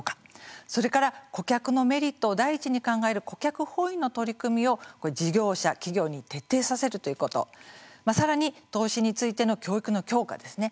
それから顧客のメリットを第一に考える顧客本位の取り組みを事業者、企業に徹底させるということさらに投資についての教育の強化ですね。